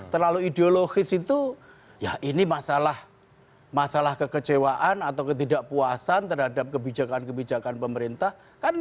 terlalu ideologis itu ya ini masalah kekecewaan atau ketidakpuasan terhadap kebijakan kebijakan pemerintah